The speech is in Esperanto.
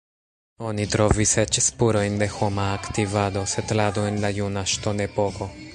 Oni trovis eĉ spurojn de homa aktivado, setlado en la juna ŝtonepoko.